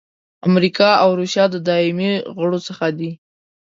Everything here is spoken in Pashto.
امریکا او روسیه د دایمي غړو څخه دي.